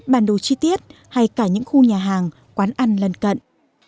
bản đồ chi tiết hay cả những khu nhà hàng quán ăn lân cận